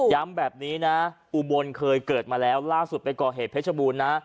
แบบนี้นะอุบลเคยเกิดมาแล้วล่าสุดไปก่อเหตุเพชรบูรณนะ